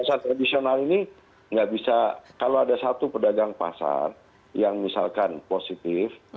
pasar tradisional ini nggak bisa kalau ada satu pedagang pasar yang misalkan positif